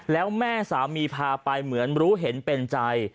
แล้วแม่สามีพาไปเหมือนรู้เห็นเป็นใจ